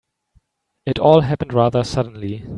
It all happened rather suddenly.